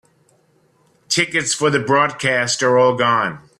Tickets for the broadcast are all gone.